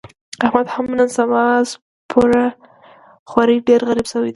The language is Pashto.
احمد هم نن سبا سپوره خوري، ډېر غریب شوی دی.